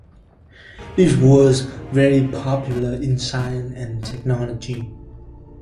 It was very popular in science and technology.